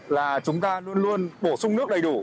là chúng ta luôn luôn bổ sung nước đầy đủ